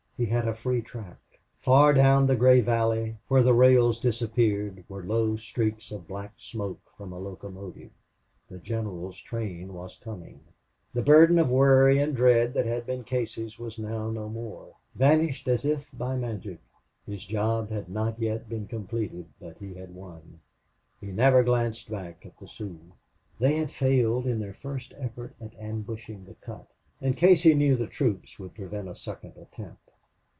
He had a free track. Far down the gray valley, where the rails disappeared, were low streaks of black smoke from a locomotive. The general's train was coming. The burden of worry and dread that had been Casey's was now no more vanished as if by magic. His job had not yet been completed, but he had won. He never glanced back at the Sioux. They had failed in their first effort at ambushing the cut, and Casey knew the troops would prevent a second attempt.